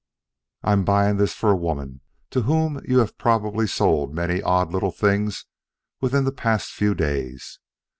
"I am buying this for a woman to whom you have probably sold many odd little things within the past few days.